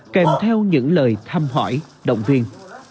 kèm theo những lời thăm hỏi động viên